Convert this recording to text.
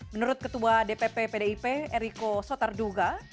menurut ketua dpp pdip eriko sotarduga